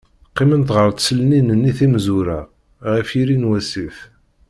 Qqiment ɣer tselnin-nni timezwura, ɣef yiri n wasif.